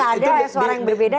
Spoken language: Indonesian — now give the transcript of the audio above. masa nggak ada suara yang berbeda